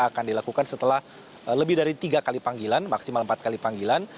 akan dilakukan setelah lebih dari tiga kali panggilan maksimal empat kali panggilan